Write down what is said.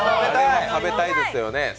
食べたいですよね？